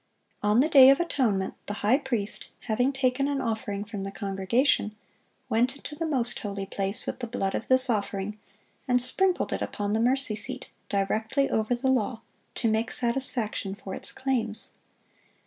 On the day of atonement the high priest, having taken an offering from the congregation, went into the most holy place with the blood of this offering, and sprinkled it upon the mercy seat, directly over the law, to make satisfaction for its claims.